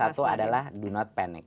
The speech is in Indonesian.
yang pertama adalah jangan panik